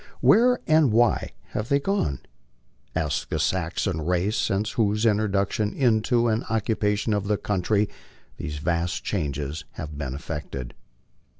Where and why have they gone? Ask the Saxon race, since whose introduction into and occupation of the country these vast changes have been effected.